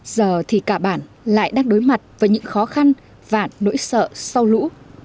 giờ thì cả bản lại đang đối mặt với những khó khăn và nỗi sợ sau lũ